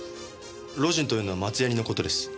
ロージンというのは松ヤニの事です。